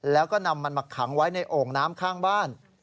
แล้วก็นำมันมาขังไว้ในโอ่งน้ำข้างบ้าน